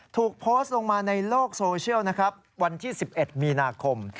ถูกโพสต์ลงมาในโลกโซเชียลนะครับวันที่๑๑มีนาคม